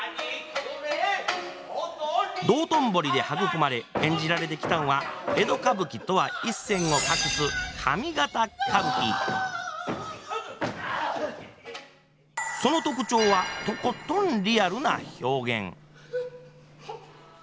道頓堀で育まれ演じられてきたんは江戸歌舞伎とは一線を画すその特徴はとことんリアルな表現。